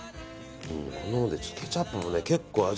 ケチャップもね結構、味。